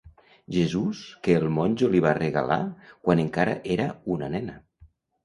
Jesús que el monjo li va regalar quan encara era una nena.